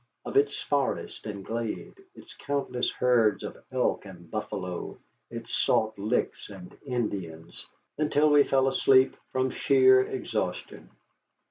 Of its forest and glade, its countless herds of elk and buffalo, its salt licks and Indians, until we fell asleep from sheer exhaustion.